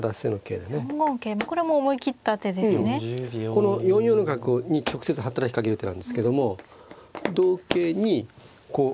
この４四の角に直接働きかける手なんですけども同桂にこう